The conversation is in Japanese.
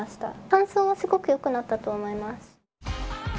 乾燥はすごくよくなったと思います。